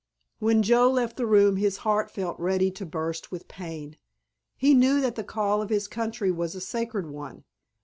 When Joe left the room his heart felt ready to burst with pain. He knew that the call of his country was a sacred one.